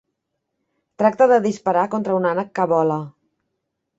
Tracta de disparar contra un ànec que vola.